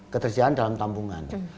keterjalanan dalam tampungan